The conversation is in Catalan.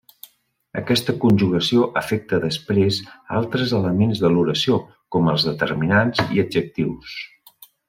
Aquesta conjugació afecta després a altres elements de l'oració com els determinants i adjectius.